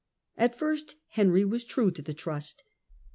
At first Henry was true to the trust.